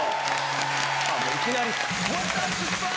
いきなり！